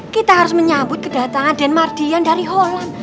kita harus menyambut kedatangan dan mardian dari holland